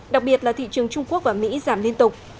đặc biệt là thị trường trung quốc và mỹ giảm liên tục